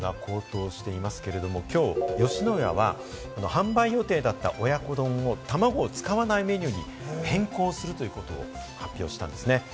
たまごの価格が高騰していますけれども、今日、吉野家は販売予定だった親子丼もたまごを使わないメニューに変更するということを発表したんですね。